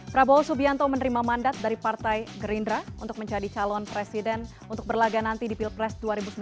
prabowo subianto menerima mandat dari partai gerindra untuk menjadi calon presiden untuk berlaga nanti di pilpres dua ribu sembilan belas